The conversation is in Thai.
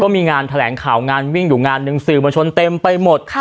มีงานแถลงข่าวงานวิ่งอยู่งานหนึ่งสื่อมวลชนเต็มไปหมด